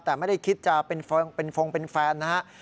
แต่ไม่ได้คิดจะเป็นฟงเป็นแฟนนะฮะ